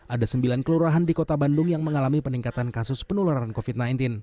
ada sembilan kelurahan di kota bandung yang mengalami peningkatan kasus penularan covid sembilan belas